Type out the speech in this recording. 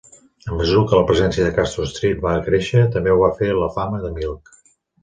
A mesura que la presència de Castro Street va créixer, també ho va fer la fama de Milk.